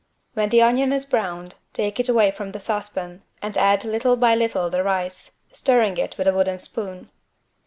When the onion is browned, take it away from the saucepan and add little by little the rice, stirring it with a wooden spoon.